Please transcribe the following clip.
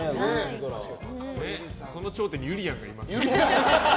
その頂点にゆりやんがいますから。